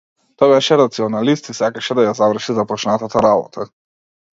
Тој беше рационалист и сакаше да ја заврши започнатата работа.